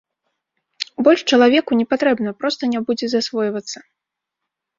Больш чалавеку не патрэбна, проста не будзе засвойвацца.